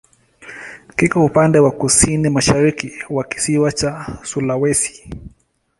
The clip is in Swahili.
Kiko upande wa kusini-mashariki wa kisiwa cha Sulawesi.